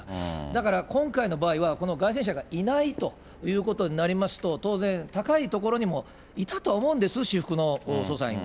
だから今回の場合は、街宣車がいないということになりますと、当然、高い所にもいたとは思うんです、私服の捜査員が。